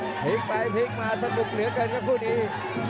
พลิกไปพลิกมาสนุกเหลือเกินครับคู่นี้